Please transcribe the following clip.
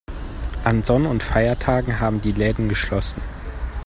An Sonn- und Feiertagen haben die Läden geschlossen.